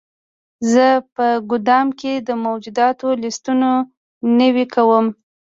زه په ګدام کې د موجوداتو لیستونه نوي کوم.